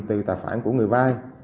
từ tài khoản của người vay